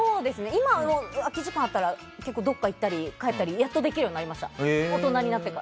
今、空き時間があったら結構、どこかに行ったり帰ったりできるようになりました。